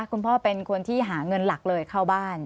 คุณพ่อเป็นคนที่หาเงินหลักเลยเข้าบ้าน